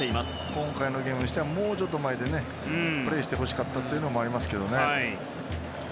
今回のゲームとしてはもうちょっと前でプレーしてほしかったというのもありますけどね。